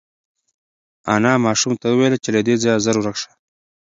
انا ماشوم ته وویل چې له دې ځایه زر ورک شه.